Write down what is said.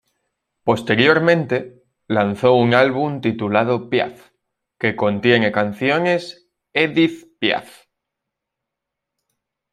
Posteriormente, lanzó un álbum titulado Piaf, que contiene canciones Édith Piaf.